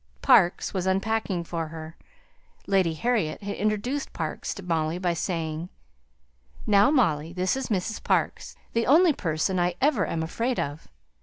Parkes was unpacking for her. Lady Harriet had introduced Parkes to Molly by saying, "Now, Molly, this is Mrs. Parkes, the only person I am ever afraid of.